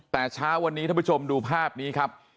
แต่เช้าวันนี้ท่านผู้ชมดูภาพนี้ครับ